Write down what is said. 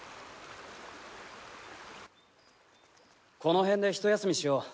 この辺でひと休みしよう。